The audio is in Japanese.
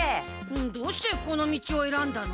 どうしてこの道をえらんだの？